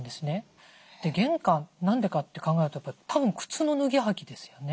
玄関何でかって考えるとたぶん靴の脱ぎ履きですよね。